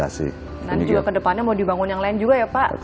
nanti juga kedepannya mau dibangun yang lain juga ya pak